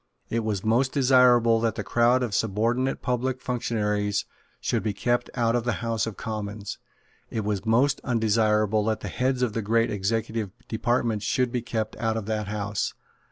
It was most desirable that the crowd of subordinate public functionaries should be kept out of the House of Commons. It was most undesirable that the heads of the great executive departments should be kept out of that House.